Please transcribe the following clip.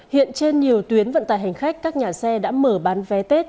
hiện trên nhiều tuyến vận tài hành khách các nhà xe đã mở bán vé tết